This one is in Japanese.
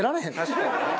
確かにね。